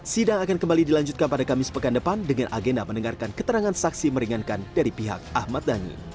sidang akan kembali dilanjutkan pada kamis pekan depan dengan agenda mendengarkan keterangan saksi meringankan dari pihak ahmad dhani